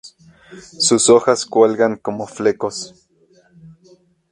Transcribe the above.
Sus hojas cuelgan como flecos.